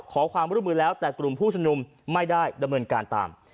ขอความร่วมมือแล้วแต่กลุ่มผู้ชมนุมไม่ได้ดำเนินการตาม